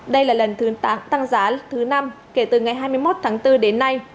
đây là lần tăng giá thứ năm kể từ ngày hai mươi một tháng bốn đến nay